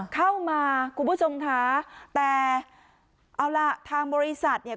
คุณผู้ชมค่ะแต่เอาล่ะทางบริษัทเนี่ย